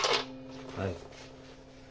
はい。